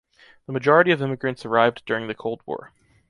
The majority of immigrants arrived during the Cold War.